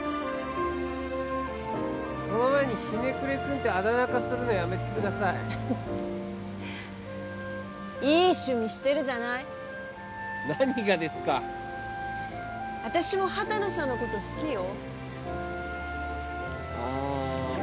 その前に「ひねくれ君」ってあだ名化するのやめてくださいいい趣味してるじゃない何がですか私も畑野さんのこと好きよああ